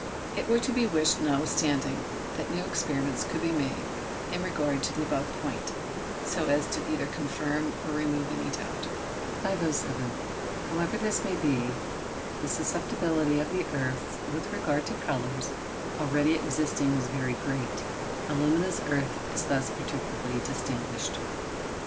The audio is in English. It were to be wished, notwithstanding, that new experiments could be made in regard to the above point, so as either to confirm or remove any doubt. 507. However this may be, the susceptibility of the earths with regard to colours already existing is very great; aluminous earth is thus particularly distinguished.